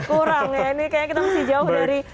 kurang ya ini kayaknya kita masih jauh dari